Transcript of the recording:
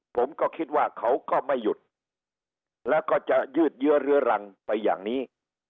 ผมก็คิดว่าเขาก็ไม่หยุดแล้วก็จะยืดเยื้อเรื้อรังไปอย่างนี้